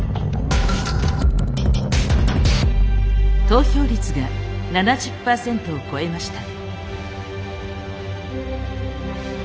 投票率が７０％を超えました。